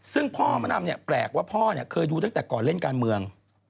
ซึ่งพ่อมะดำเนี่ยแปลกว่าพ่อเคยดูตั้งแต่ก่อนเล่นการเมือง